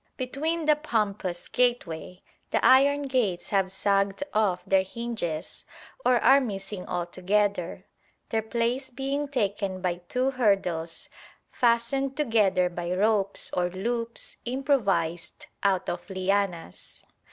Between the pompous gateway the iron gates have sagged off their hinges or are missing altogether, their place being taken by two hurdles fastened together by ropes or loops improvised out of lianas.